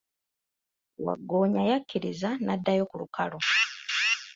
Waggoonya yakiriza n'addayo ku lukalu.